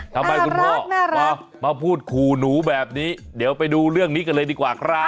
คุณพ่อมาพูดขู่หนูแบบนี้เดี๋ยวไปดูเรื่องนี้กันเลยดีกว่าครับ